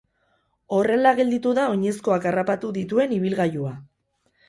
Horrela gelditu da oinezkoak harrapatu dituen ibilgailua.